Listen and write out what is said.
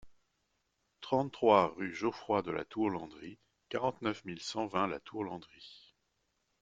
trente-trois rue Geoffroy de la Tour Landry, quarante-neuf mille cent vingt La Tourlandry